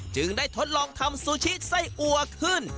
จึงได้ทดลองทำซูชิไส้อัวขึ้น